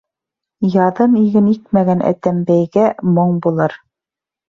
Яҙын иген икмәгән әтәмбәйгәмоң булыр.